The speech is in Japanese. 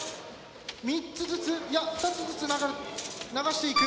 ３つずついや２つずつ流していく。